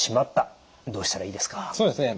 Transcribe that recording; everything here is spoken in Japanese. どうしたらいいですか？